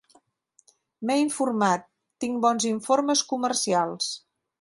M'he informat, tinc bons informes comercials